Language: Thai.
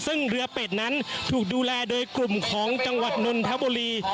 ซึ่งเรือเป็ดนั้นถูกดูแลโดยกลุ่มของจังหวัดนนทบุรี